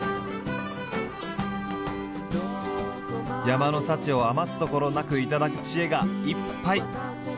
山の幸を余すところなく頂く知恵がいっぱい！